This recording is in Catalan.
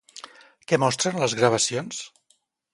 Què mostren les gravacions?